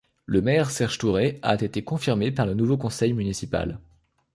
Le maire, Serge Touret, a été confirmé par le nouveau conseil municipal.